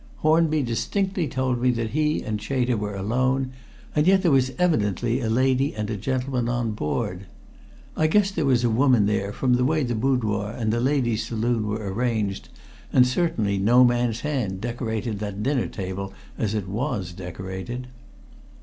Hornby distinctly told me that he and Chater were alone, and yet there was evidently a lady and a gentleman on board. I guessed there was a woman there, from the way the boudoir and ladies' saloon were arranged, and certainly no man's hand decorated a dinner table as that was decorated."